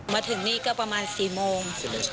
มาถึงนี่ก็ประมาณ๔โมง